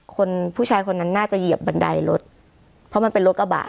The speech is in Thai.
คนผู้ชายคนนั้นน่าจะเหยียบบันไดรถเพราะมันเป็นรถกระบะ